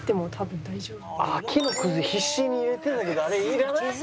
木のくず必死に入れてたけどあれいらない？